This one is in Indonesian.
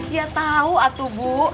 ya tahu atubu